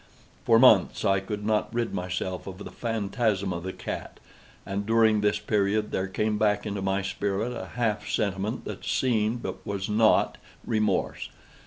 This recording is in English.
For months I could not rid myself of the phantasm of the cat; and, during this period, there came back into my spirit a half sentiment that seemed, but was not, remorse.